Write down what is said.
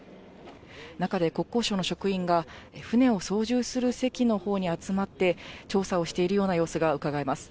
中で国交省の職員が、船を操縦する席のほうに集まって、調査をしているような様子がうかがえます。